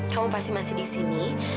kamu pasti masih di sini